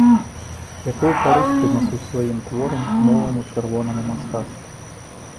Якую карысць прынясу сваім творам новаму чырвонаму мастацтву?